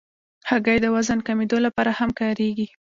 هګۍ د وزن کمېدو لپاره هم کارېږي.